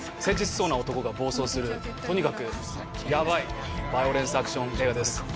誠実そうな男が暴走するとにかくやばいバイオレンスアクション映画です。